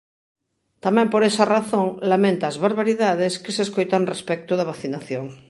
Tamén por esa razón, lamenta as "barbaridades" que se escoitan respecto da vacinación.